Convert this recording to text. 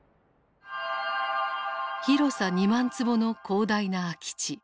広さ２万坪の広大な空き地。